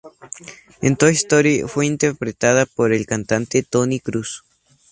En Toy Story fue interpretada por el cantante Tony Cruz.